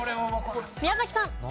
宮崎さん。